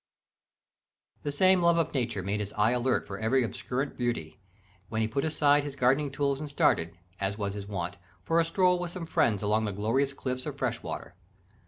_ The same love of Nature made his eye alert for every obscurest beauty, when he put aside his gardening tools and started, as was his wont, for a stroll with some friend along the glorious cliffs of Freshwater.